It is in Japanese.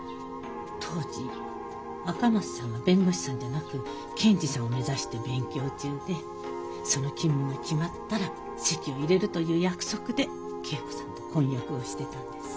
当時赤松さんは弁護士さんじゃなく検事さんを目指して勉強中でその勤務が決まったら籍を入れるという約束で桂子さんと婚約をしてたんです。